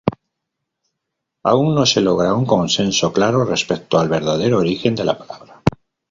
Aún no se logra un consenso claro respecto al verdadero origen de la palabra.